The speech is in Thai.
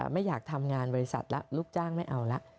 ไม่อยากทำงานบริษัทแล้วลูกจ้างไม่เอาละ